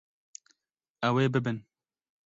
Ew ê bibin.